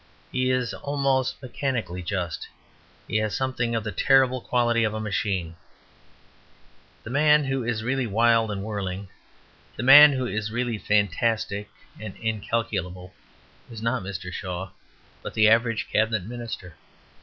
He is almost mechanically just; he has something of the terrible quality of a machine. The man who is really wild and whirling, the man who is really fantastic and incalculable, is not Mr. Shaw, but the average Cabinet Minister.